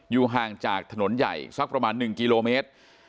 อยู่ห่างจากถนนใหญ่สักประมาณหนึ่งกิโลเมตร